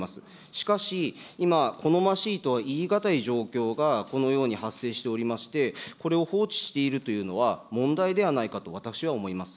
しかし、今、好ましいとは言い難い状況がこのように発生しておりまして、これを放置しているというのは、問題ではないかと私は思います。